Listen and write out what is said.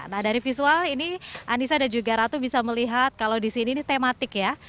nah dari visual ini anissa dan juga ratu bisa melihat kalau di sini ini tematik ya